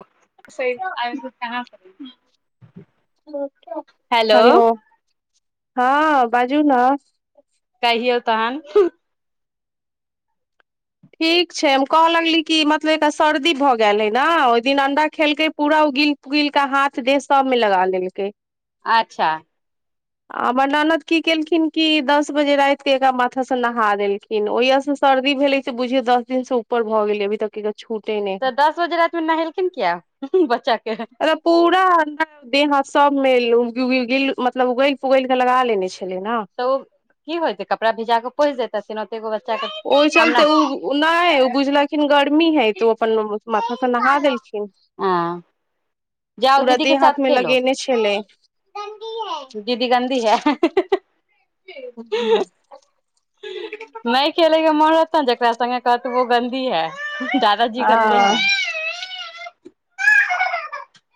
[unintelligible] Hello. हां बाजू न। कहिऔ तहन ठीक छै हम कहय लगली कि मतलब एकटा सर्दी भऽ गेल हे न ओहि दिन अंडा खेलकै पूरा ओ गिल पूगिल क हाथ देह सभमे लगा लेलकै। अच्छा आ हमर ननद की केलखिन कि दस बजे राातिके एकरा माथा से नहा देलखिन ओहिया से सर्दी भेलै बूझियौ दस दिन से ऊपर भ गेलै अभीतक कि- छुटै नहि तऽ दस बजे रातिमे नहेलखिन किया बच्चा के तऽ आ पुरा आ देह हाथ सब मैल उल गिल गिल, मतलब उगैल पुगैल के लगा लेने छै। त ओ की होइतै कपड़ा भिजा क पोछि दैथिन ओतेगो बाद ओहि चलते उ नै उ बुझलखिन गर्मी कि है त ओ अपन माथा स नहा देलखिन जाओ पूरा दीदी के देह साथ हाथ मे खेलो लगेने छलै नहि गन्दी है, दीदी गन्दी है हा हा [unintelligible] नहि खेले के मोन रहतै ने जकरा संगे कहत ओ गन्दी है। दादाजी गंन्दे है। हँ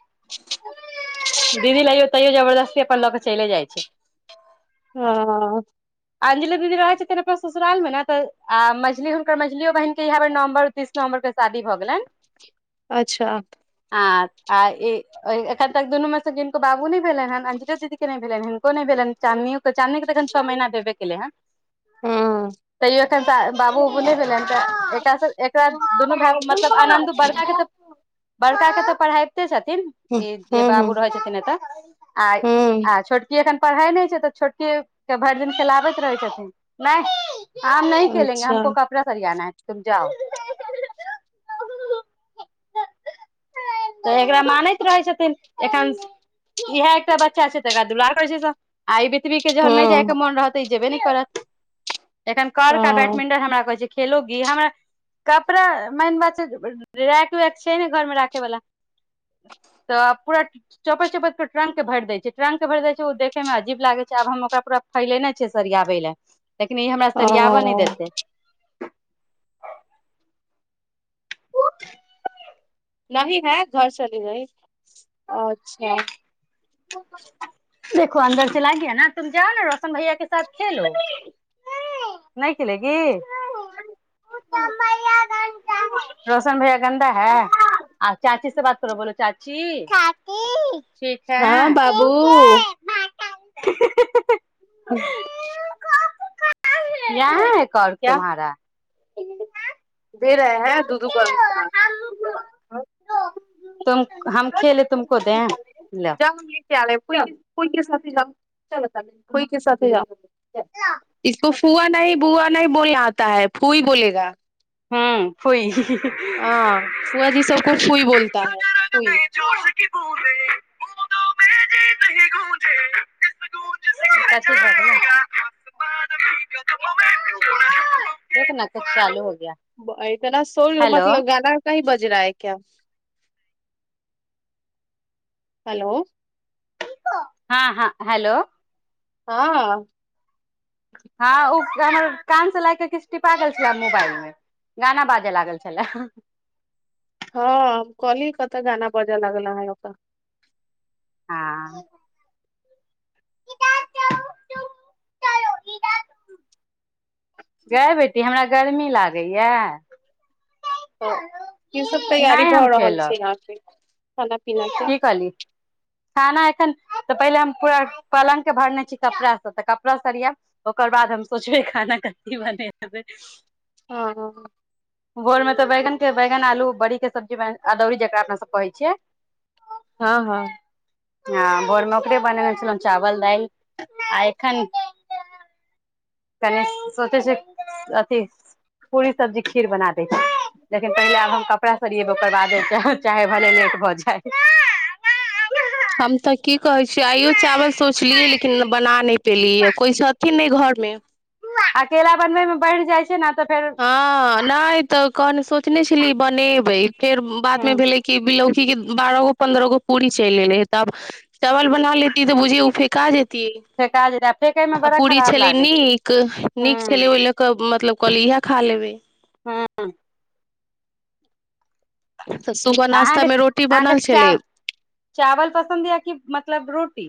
[unintelligible] दीदी लैयो तैयो जबरदस्ती अपन ल क चइले जाइ छै। हां अंजलि दीदी रहैत छथिन अपन ससुराल मे ने त आ मझली हुनकर मझलियो बहिनके इह बेर नवम्बर तीस नवम्बर के शादी भ गेलैन। अच्छा। आ ए ऐखन तक दुनू में स किनको बाबू नै भेलैन है ने अंजले दीदी के नहि भेल हिनको नहि भेलनि चानदनीयो के चान्दनी के अखन छओ महीना भेबे केलै हन। हँ तैयो एखन त बाबू उबू नहि भेलैन त एकरा एकरा दुनू भाइ मतलब आनन्द बड़का छै त बड़का छै त [unintelligible] अतै छथिन ई हूँ जे हूँ बाबू रहै छथिन एत आ हूँ आ छोटकी एखन पढ़ाइ नहि छै त छोटकिए के भरि दिन। चलाबैत रहै छथिन नहि। आब नहि खेलेंगे अच्छा हमको कपड़ा सरियाना है। तुम जा [unintelligible] त एकरा मानैत रहै छथिन एखन ईहे एकटा बच्चा छै त एकरा दुलारै करै छै सब आइ बी स्त्री के जखन नै जाइ हँ के मोन रहत ई जेबे नहि करत। एखन कार्क आ हँ बैडमिंटन हमरा कहै छै खेलोगी, हमरा कपड़ा मेन बात छै रैक वैक छै ने घर में राखे वाला त पूरा चौपैत चौपैत के ट्रंक के भरि देय छै ट्रंक के भर देय छै ओ देखे में अजीब लागे छै आब हम ओकरा पूरा फैलेने छै सरयाबै ले। लेकिन ई हमरा सरियाब नै ओ देतै। [unintelligible] [unintelligible] [unintelligible] [unintelligible] [unintelligible] [unintelligible] [unintelligible] हँ [unintelligible] बाबू [unintelligible] हां। क्या [unintelligible] तुम हम खेले [unintelligible] तुमको दे लो [unintelligible] [unintelligible] हम्म फुई [unintelligible] [unintelligible] [unintelligible] [unintelligible] हेलो [unintelligible] हेलो। हां हां हेलो। हां। हां उ हमर कान से लए कऽ किछ टिपा गेल छलए मोबाइल मे गाना बाजय लागल छलए। हां हम कहलीए कतऽ गाना बाजा लागल अहा ओता। हां। गे बेटी हमरा गर्मी लागै यै। तऽ की सब तैयारी नहि भऽ हम रहल छै खेलक यहाँ पे। खाना -पीना के। की कहली खाना एखन तऽ पहिले हम पूरा पलंग के भरने छी कपड़ा से तऽ कपड़ा सरियाब ओकर बाद हम सोचबै खाना कथी बनेबै। हां हां। भोर मे तऽ बैगन के बैगन आलू बड़ी के सब्जी मे अदौरी जकरा अपना सब कहै छियै‌। हां हां। हां भोर मे ओकरे बनेनै छलों चावल दाल आ ऐखन कनि सोचै छीयै अथी पूरी सब्जी खीर बना दै छीयै लेकिन पहिले आब हम कपड़ा सरियेबै ओकर बादे चाहे भनेे लेट भऽ जाय। हम तऽ की कहै छीयै आइयो चावल सोचलियै लेकिन बना नै पेलिए कोइ सब थिन नै घरमे। अकेला बनबै मे बढ़ जाए छै न। हां नै त कन सोचने छलीए बनेबै फेर बाद हूं मे भेले कि बिलौकी के बारहो पन्द्रागो पूरी चैल एले हे तब चावल बना लेती तऽ बुझी ओ फेेका जे तिए फेका जेतै फेकै मे आ बड़ा पूरी खराब छलै लागै छै नीक नीक हूं छलै ओय ले के मतलब कहलिए इहे तै। हां। तऽ सुबह नाश्ता अहाँके मे रोटी अहाँके बनल चा छलै चावल पसन्द यऽ कि मतलब रोटी?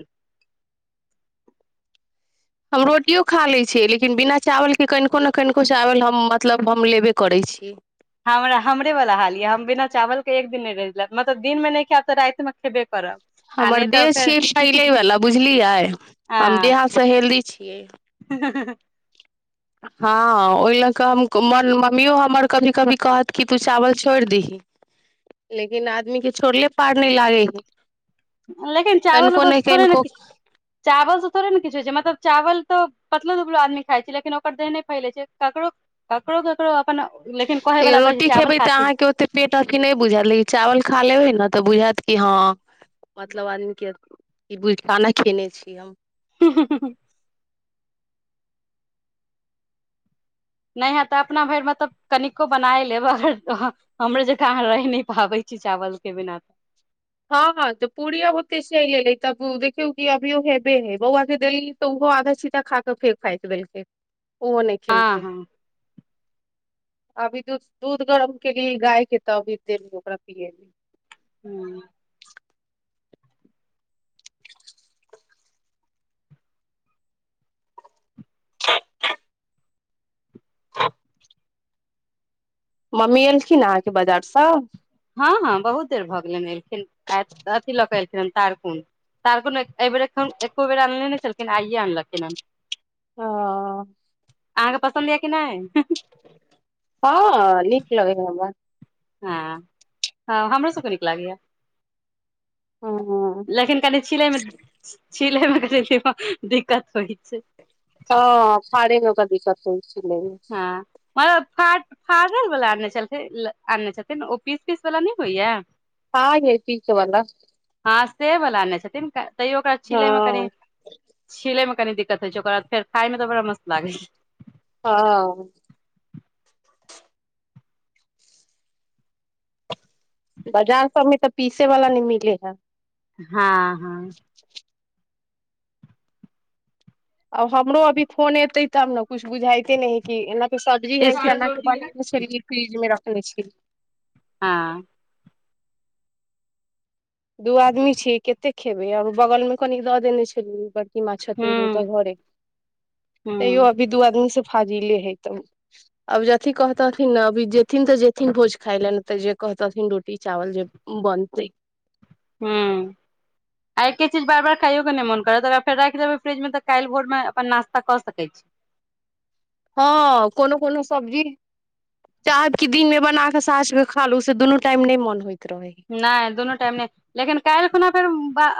हम रोटियों खा लै छियै लेकिन बिना चावलके कनिको ने कनिको चावल हम मतलब हम लेबे करै छीयै। हमरा हमरे वला हाल यऽ हम बिना चावलके एक दिन नै रहिले मतलब दिनमे नै खायब तऽ रातमे खेबे करब। आ हमर नहि देह तऽ फेर छियै फैलैवला बुझलियै हम आ देह हाथ से हेल्दी छियै। हां ओएला। कम क मन मम्मियो हमर कभी कभी कहत कि तू चावल छोड़ दीही लेकिन आदमीके छोड़ले पार नै लागै हय। लेकिन चावल उवल से थोड़े ने किछ चावल से थोड़े नै किछ होय छै मतलब चावल तऽ पतलो दुबलो आदमी खाइ छै लेकिन ओकर देह नै फैलै छै ककरो, ककरो ककरो अपन कहै लेकिन वला कहै छै रोटी चावल खेबै तऽ खाती अहाँके ओते पेट अथी नै बुझाएत लेकिन चावल खा लेबै नै तऽ बुझाएत कि हां मतलब आदमी के ई [unintelligible] खाना खेने छी हम [inaudible] नै हैत तऽ अपना भैर मतलब कनिको बनाए लेब अगर ह ह हमरो जकाँ अहाँ रह नै पाबै छी चावलके बिना तऽ हां हां तऽ पूरी अब ओत्ते चैल एलै तब उ देखियौ कि अभीयो हेबे है बौआ के देली तऽ उहो आधा छीदा खा कऽ फेक फाक देलके। उहो नै हँ खेलके। हँ अभी दूध दूध गरम केलीए गायके तऽ अभी देलीए ओकरा पिए लै। हूं। [inaudible] मम्मी एलखिन अहाँके बाजारसँ? हां हां बहुत देर भऽ गेलैन एलखिन आय अथि लऽ कऽ [unintelligible] तारखुन तारखुन ए ए बेरा एखन एको बेरा आनलो नै छल। लेकिन आइए आनलखिन हन्। हां। अहाँके पसन्द यऽ कि नै? हां नीक लगै हय हमरा। हां हां हमरो सबके नीक लागै ए। ह लेकिन कनि छीलै मे छीलै मे लेकिन बड़ दिक्कत होइ छै। हां फाड़े मे तै दिक्कत होय हां मगर फाट फाटल बला आनलै छल आनने छथिन ओ पीस पीस वाला नहि होइया? हँ यै पीस वाला। ना से बलाा ने छथिन। तैयो ओकरा छिले मे कनि हँ छिले मे। कनि दिक्कत होइ छै ओकर बाद फेर खाय मे तऽ बड़ा म्त लागै छै। हँ। बाजार सबमे तऽ पीसे वला नहि मिले है। हँ। हँ। आब हमरो अभी फोन एते तब ने किछु बुझाइते नहि है कि। सब्जी हे चना के बनेने रहियै फ्रीज मे रखने। [unintelligible] हँ। दू आदमी छीिय कतेक। खेबै आओर बगलमे कनी दऽ देने छल। छथिन हुनका हूँ घर तैयो हूँ अभी दू आदमीसँ। फाजिले हे तऽ अब अथिी कहतथिन ने अभी जेथिन तऽ जेथिन भोज खााय लए ने तऽ जे कहतथिन रोटी चावल जे बनतै। ह्म्म आ एके चीज बार बार खाइयओके नहि मोन करत अाद फेर राखि देबै फ्रिजमे तऽ काल्हि भोरमे अपन नाश्ता कऽ सकैत छी। हँ कोनो कोनो सब्जी चाहब क दिन मे बना के साँझके खा लू से दुनू टाइम नहि मन होइत। रहै नहि दोनोू टाइम नहि। लेकिन काल्हि खुना फेर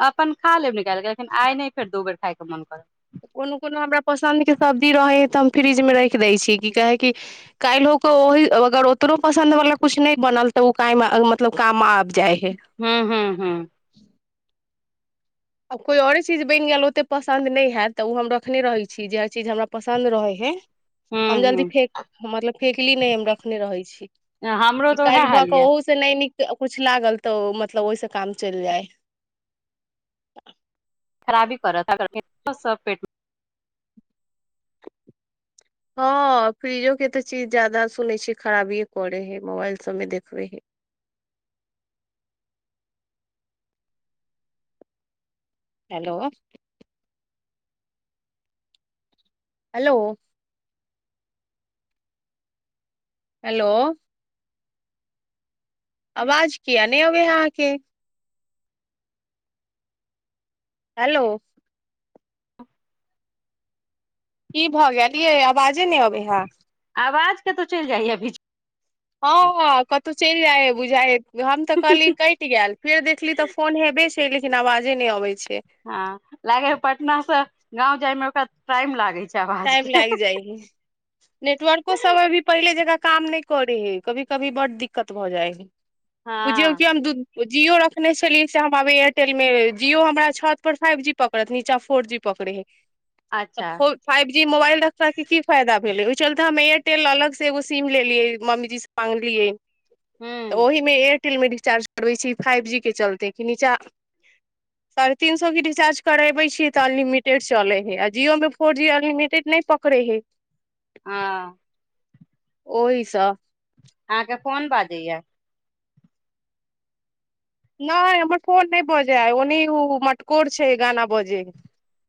अपन खा लेब। गेलखिन आइ नहि फेर दू बेर खाइ। न मोन करते। कोनो कोनो हमरा पसन्द के सब्जी रहे तऽ हम फ्रिज मे राखि दै छी की कहे कि काल्हिहो के ओहि अगर ओतनोो पसन्द वालला कुछ नहि बनल तऽ ओ क मतलब काम आब। हँ- हँ -हँ आ कोइ आओरे चीज बनि गेल ओतेक पसन्द नहि हयत तऽ ओ हम रखने रहैत छी जे हर चीज हमरा पसन्द रहैत हइ। हूँ हम जल्दी हूँ फेक मतलब फेकली नहि हम रखने रहै छी हमरो कि तऽ उएह काल्हि भऽ हाल कऽ यऽ ओहू से नहि नीक। कछु लागल तऽ मतलब ओहिसँ काम चलि जाय। [unintelligible] खराबी कर सब पेटमे। हँ फ्रिजो के तऽ चीज जादा सुनै छियै खराबिए करे हय मोबाइल सबमे देखबै है। हेलो। हेलो। हेलो। आवाज कििया नहि अबे है अहाँके। हेलो। ई भऽ गेल ये आवाजे नहि अबै हे। मे, आवाज कतहु चलि जाइय बीच। ह कत चलि जाए बुझा। हम तऽ कहली मे। कटि गेल फेर देखली तऽ फोन हे बे। से लेकिन आवाजे नहि अबै छै। हँ लागे ह पटनासँ गाँव। जाय मे ओकरा टाइम लागे छै। आवाज टाइम के लागि जाइ ह नेटवर्को सब भी पहिले जका। काम नहि करे हय कभी कभी बड्ड दिक्कत भऽ जाइ हय। बुझियौ कि हँ हम दध। जियओ रखने छलियै से हम आब एयरटेल मे जिओ हमरा छत पर फाइव जी पकड़त नीचा फोर जी पकड़े हे। अच्छा। जी मोबाइल रखा के की फायदा भेले ओहि चलते हम एयरटेल अलग से एगो सिम लेलियै मम्मीजी से मंगलियै। तऽ हूँ ओहिमे एक। टेलमे रिचार्ज करबै छी फाइव जी के चलते कि नचाँ साढ़े तीन सए के रिचार्ज करबै छी तऽ अनलिमिटेड चलै हय आ जिओमे। फोर जी अनलिमिटेड नहि पकड़े हे। ह। ओहिस। अहाँके फोन बाजैया। नहि हमर फोन नहि बजे ओनी ओ मटकोर छै गाना बजै।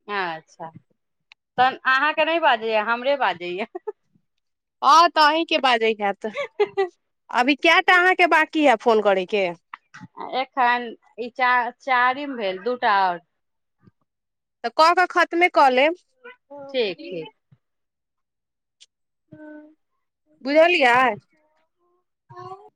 अच्छा तन अहाँके नहि बाजैए हमरे बाजैए। ह तऽ अहीं के ब जाइ। त अभी कटा अहाँके बाकी ह। फोन करैके। एखन ई चा चारिम भेल दूटा आओर। तऽ क कऽ खतमे। कॉ लेब। ठीक ठीक हँ। बुझौलियै। ह।